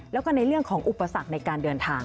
แล้วก็ในเรื่องของอุปสรรคในการเดินทาง